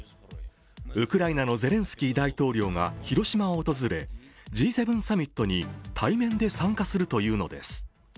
ウクライナのゼレンスキー大統領が広島を訪れＧ７サミットに対面で参加するというのです。